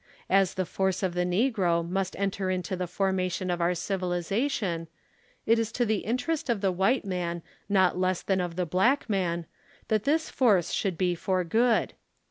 As the force of the negro must enter into the forma tion of our civilization, it is to the interest of the white man not less than of the black man, that this force should be for good.